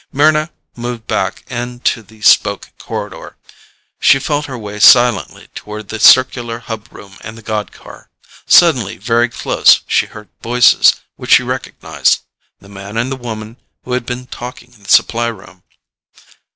Mryna moved back into the spoke corridor. She felt her way silently toward the circular hub room and the god car. Suddenly very close she heard voices which she recognized the man and the woman who had been talking in the supply room.